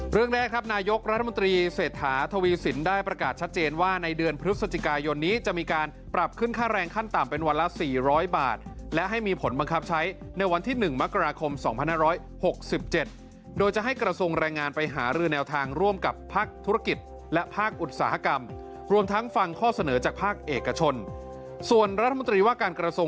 เรื่องแรกครับนายกรัฐมนตรีเศรษฐาทวีสินทร์ได้ประกาศชัดเจนว่าในเดือนพฤศจิกายนนี้จะมีการปรับขึ้นค่าแรงขั้นต่ำเป็นวันละสี่ร้อยบาทและให้มีผลบังคับใช้ในวันที่หนึ่งมกราคมสองพันห้าร้อยหกสิบเจ็ดโดยจะให้กระทรงแรงงานไปหารือแนวทางร่วมกับภาคธุรกิจและภาคอุตสาหก